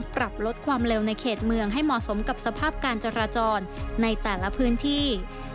ปรับลดความเร็วในเขตเมืองให้เหมาะสมกับสภาพการจราจรในแต่ละพื้นที่